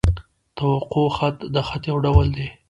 توقع خط؛ د خط یو ډول دﺉ.